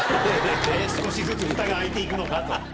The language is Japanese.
少しずつふたが開いていくのかと。